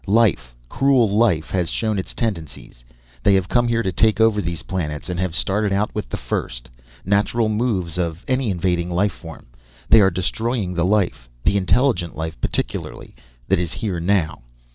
Life cruel life has shown its tendencies. They have come here to take over these planets, and have started out with the first, natural moves of any invading life form. They are destroying the life, the intelligent life particularly, that is here now."